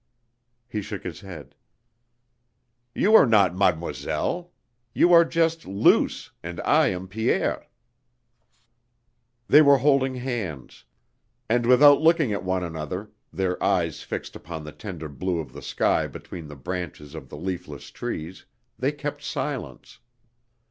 (He shook his head.) "You are not 'Mademoiselle.' You are just Luce and I am Pierre." They were holding hands; and without looking at one another, their eyes fixed upon the tender blue of the sky between the branches of the leafless trees, they kept silence.